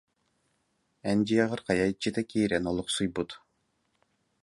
Эн дьиэҕэр хайа иччитэ киирэн олохсуйбут